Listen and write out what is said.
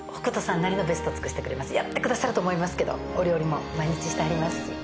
やってくださると思いますけどお料理も毎日してはりますし。